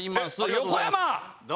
横山！